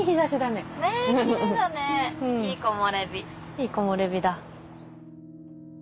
いい木漏れ日だ。